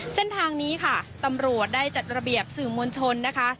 เส้นทางนี้ค่ะตำรวจได้จัดระเบียบสื่อมวลชนนะคะ